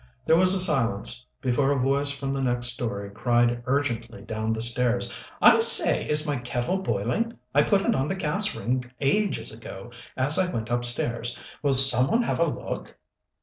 There was a silence, before a voice from the next story cried urgently down the stairs: "I say, is my kettle boiling? I put it on the gas ring ages ago, as I went upstairs. Will some one have a look?"